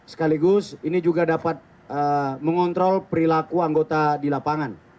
sekaligus ini juga dapat mengontrol perilaku anggota di lapangan